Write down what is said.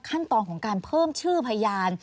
ขั้นตอนของการเพิ่มชื่อพยาน